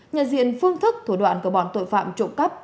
nhà diện phương thức thủ đoạn của bọn tội phạm trộm cấp